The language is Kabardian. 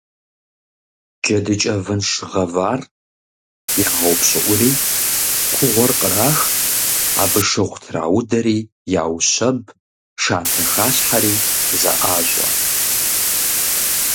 Джэдыкӏэ вынш гъэвар ягъэупщӏыӏури кугъуэр кърах, абы шыгъу траудэри яущэб, шатэ халъхьэри, зэӏащӏэ.